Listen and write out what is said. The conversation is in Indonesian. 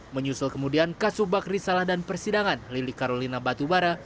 menyusul kemudian kasubag risalah dan persidangan lili carolina batubara